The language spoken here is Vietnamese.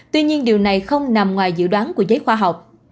tuy nhiên điều này không nằm ngoài dự đoán của giới khoa học